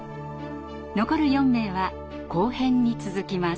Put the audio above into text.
残る４名は後編に続きます。